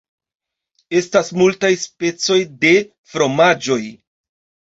Estas multaj specoj de fromaĝoj.